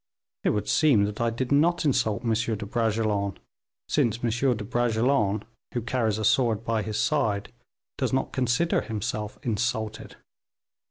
"It would seem that I did not insult M. de Bragelonne, since M. de Bragelonne, who carries a sword by his side, does not consider himself insulted."